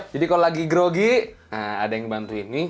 jadi kalau lagi grogi ada yang ngebantu ini